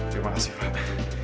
terima kasih pak